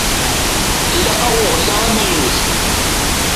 Ilaq-aɣ uɣella amaynut.